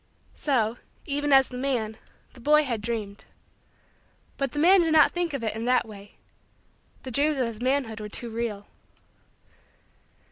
So, even as the man, the boy had dreamed. But the man did not think of it in that way the dreams of his manhood were too real.